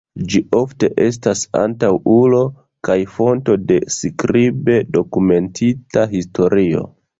Ĝi ofte estas antaŭulo kaj fonto de skribe dokumentita historio.